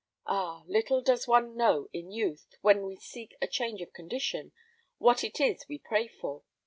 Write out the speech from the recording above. Ah! little does one know in youth, when we seek a change of condition, what it is we pray for.